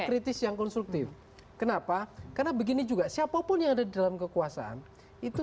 kritis yang konstruktif kenapa karena begini juga siapapun yang ada di dalam kekuasaan itu